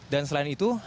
dan selain itu